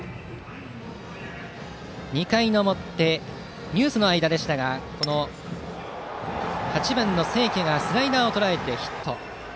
２回の表、ニュースの間でしたが８番の清家がスライダーをとらえてヒット。